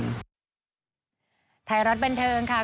ไทรอัตเป็นเทิงค่ะ